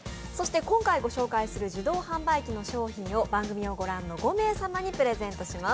今回ご紹介する自動販売機の商品を番組を御覧の５名様にプレゼントします。